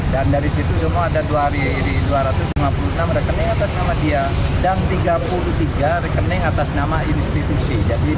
dan dari situ semua ada dua ratus lima puluh enam rekening atas nama dia